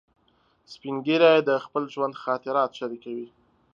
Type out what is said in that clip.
سپین ږیری د خپل ژوند خاطرات شریکوي